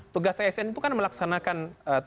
tugas asn itu kan melaksanakan tugas